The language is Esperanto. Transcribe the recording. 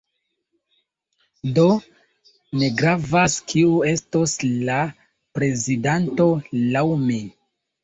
Do, ne gravas kiu estos la prezidanto laŭ mi